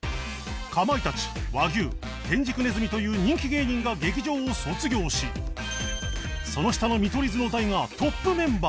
かまいたち和牛天竺鼠という人気芸人が劇場を卒業しその下の見取り図の代がトップメンバーに